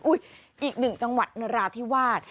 อีกหนึ่งจังหวัดนราธิวาส